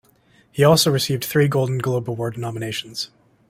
He also received three Golden Globe Award nominations.